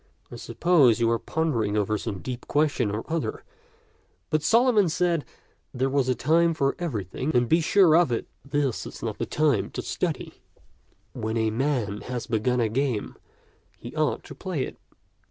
I suppose you are pondering over some deep question or other, but Solomon said there was a time for everything, and be sure of it, this is not the time 138 tift Ckx^'B tak to study. When a man has begun a game, he ought to play it.